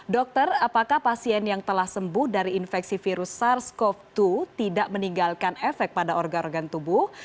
dokter apakah pasien yang telah sembuh dari infeksi virus sars cov dua tidak meninggalkan efek pada organ organ tubuh